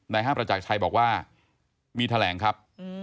ห้างประจักรชัยบอกว่ามีแถลงครับ